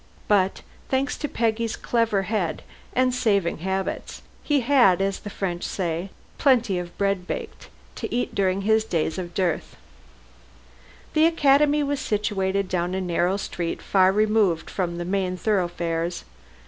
But, thanks to Peggy's clever head and saving habits, he had as the French say "plenty of bread baked" to eat during days of dearth. The Academy was situated down a narrow street far removed from the main thoroughfares.